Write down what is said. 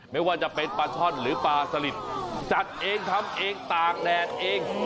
ไม่ว่าจะเป็นปลาช่อนหรือปลาสลิดจัดเองทำเองตากแดดเอง